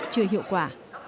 chưa hiệu quả